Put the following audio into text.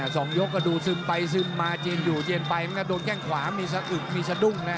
สองยกกระดูกซึมไปซึมมาเจนอยู่เจนไปมันก็โดนแก้งขวามีซะอึดมีซะดุ้งนะครับ